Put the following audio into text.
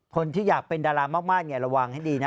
คนที่อยากเป็นดารามากระวังให้ดีนะ